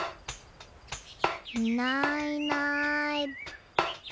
いないいない。